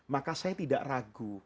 maka saya tidak ragu